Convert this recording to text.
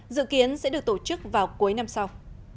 dự kiến sẽ được tổ chức vào cuối năm sau